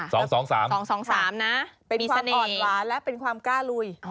สองสองสามเป็นความอ่อนหวานและเป็นความกล้าลุย